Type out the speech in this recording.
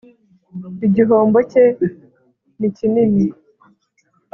Igihombo cye nikinini.